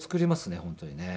本当にね。